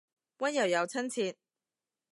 溫柔又親切